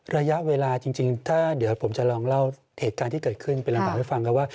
ระยะเวลาจริงถ้าเดี๋ยวผมจะลองเล่าเหตุการณ์ที่เกิดขึ้นเป็นลำบากให้ฟังครับว่า